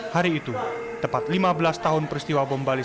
hari itu tepat lima belas tahun peristiwa ini alif menempatkan dirinya